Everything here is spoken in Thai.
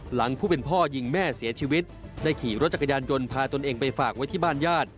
หลังผู้เป็นพ่อยิงแม่เสียชีวิตได้ขี่รถจักรยานยนต์พาตนเองไปฝากไว้ที่บ้านญาติ